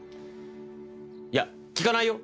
いや聞かないよ